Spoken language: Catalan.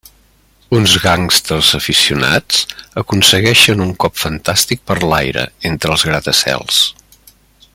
Uns gàngsters aficionats aconsegueixen un cop fantàstic per l'aire, entre els gratacels.